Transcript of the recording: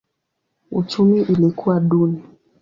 Uchumi ilikuwa duni.